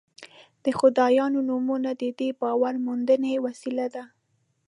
د خدایانو نومونه د دې باور موندنې وسیله ده.